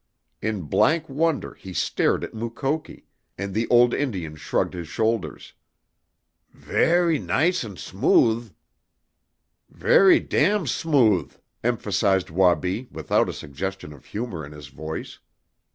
In blank wonder he stared at Mukoki, and the old Indian shrugged his shoulders. "Ver' nice an' smooth!" "Ver' dam' smooth!" emphasized Wabi, without a suggestion of humor in his voice.